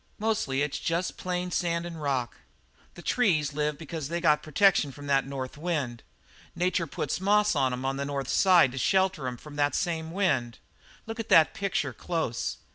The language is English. Mostly it's jest plain sand and rock. The trees live because they got protection from that north wind. Nature puts moss on 'em on the north side to shelter 'em from that same wind. Look at that picture close.